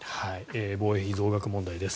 防衛費増額問題です。